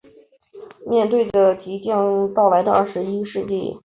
面对着即将到来的二十一世纪